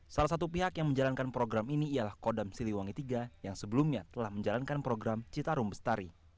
salah satu pihak yang menjalankan program ini ialah kodam siliwangi iii yang sebelumnya telah menjalankan program citarum bestari